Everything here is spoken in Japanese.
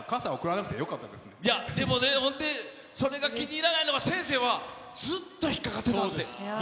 じゃあ、でもね、それが気に入らないのが先生はずっと引っかかってたって。